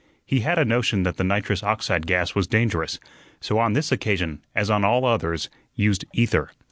He had a notion that the nitrous oxide gas was dangerous, so on this occasion, as on all others, used ether.